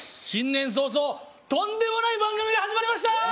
新年早々、とんでもない番組が始まりました！